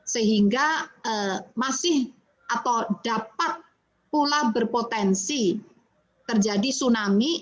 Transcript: sehingga masih atau dapat pula berpotensi terjadi tsunami